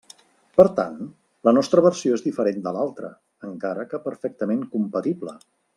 Per tant, la nostra versió és diferent de l'altra, encara que perfectament compatible.